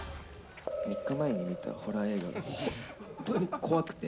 ３日前に見たホラー映画が本当に怖くて。